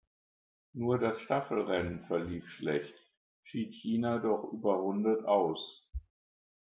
Nur das Staffelrennen verlief schlecht, schied China doch überrundet aus.